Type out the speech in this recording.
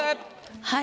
はい。